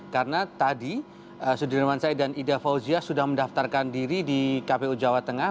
karena tadi sudirman syed dan ida fauzia sudah mendaftarkan diri di kpu jawa tengah